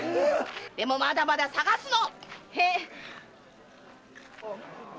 でもまだまだ捜すの！